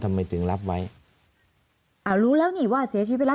ทำไมถึงรับไว้อ่ารู้แล้วนี่ว่าเสียชีวิตไปแล้ว